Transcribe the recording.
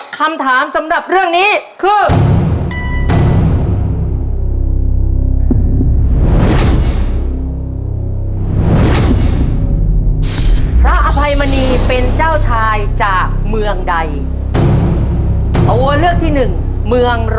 คำถามสำหรับเรื่องนี้คือ